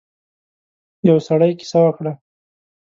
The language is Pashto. يو سړی کيسه وکړه.